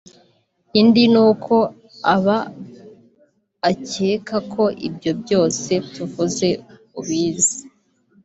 indi n’uko aba akeka ko ibyo byose tuvuze ubizi